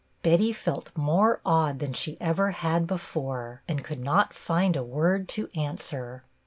Betty felt more awed than she ever had before, and could not find a word to answer.